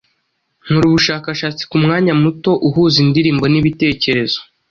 nkora ubushakashatsi ku mwanya muto uhuza indirimbo n'ibitekerezo,